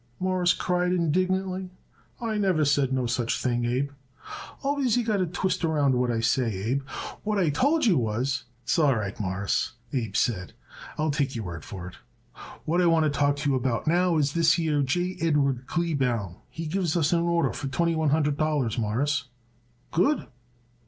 Morris cried indignantly. "I never said no such thing, Abe. Always you got to twist around what I say, Abe. What I told you was " "S'all right, Mawruss," Abe said. "I'll take your word for it. What I want to talk to you about now is this here J. Edward Kleebaum. He gives us an order for twenty one hundred dollars, Mawruss." "Good!"